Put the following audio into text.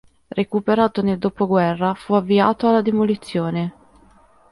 Recuperato nel dopoguerra, fu avviato alla demolizione.